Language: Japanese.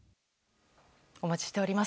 お待ちしております。